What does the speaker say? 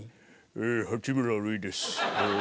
え八村塁です。